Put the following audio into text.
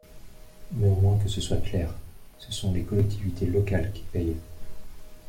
Mais au moins que ce soit clair : ce sont les collectivités locales qui payent.